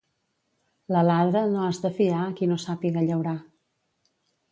L'aladre no has de fiar a qui no sàpiga llaurar.